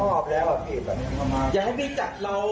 คุณตำรวจจับผมหน่อยผมสูบกัญชามา